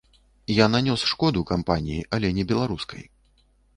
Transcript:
Я нанёс шкоду кампаніі, але не беларускай.